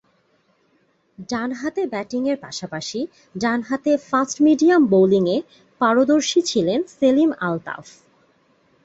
ডানহাতে ব্যাটিংয়ের পাশাপাশি ডানহাতে ফাস্ট-মিডিয়াম বোলিংয়ে পারদর্শী ছিলেন সেলিম আলতাফ।